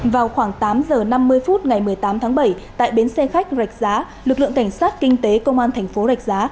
vào khoảng tám giờ năm mươi phút ngày một mươi tám tháng bảy tại bến xe khách rạch giá lực lượng cảnh sát kinh tế công an thành phố rạch giá